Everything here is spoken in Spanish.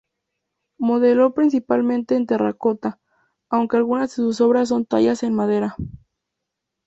Modeló principalmente en terracota, aunque algunas de sus obras son tallas en madera.